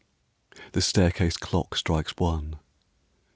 The staircase clock strikes one.